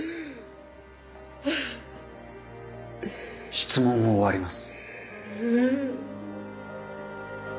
質問を終わります。